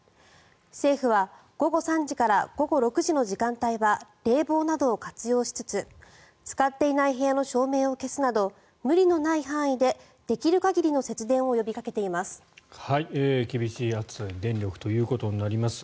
政府は午後３時から午後６時の時間帯は冷房などを活用しつつ使っていない部屋の照明を消すなど無理のない範囲でできる限りの節電を呼びかけています。